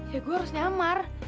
ya gue harus nyamar